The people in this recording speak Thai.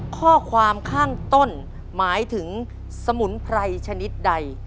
ข้อความข้างต้นหมายถึงสมุนไพรชนิดใด